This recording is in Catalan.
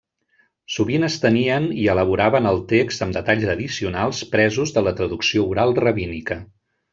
Sovint estenien i elaboraven el text amb detalls addicionals presos de la traducció oral rabínica.